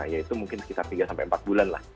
yaitu mungkin sekitar tiga sampai empat bulan lah